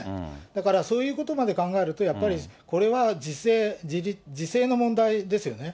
だからそういうことまで考えると、やっぱりこれは自制の問題ですよね。